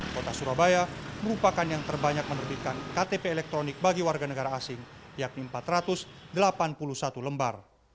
kota surabaya merupakan yang terbanyak menerbitkan ktp elektronik bagi warga negara asing yakni empat ratus delapan puluh satu lembar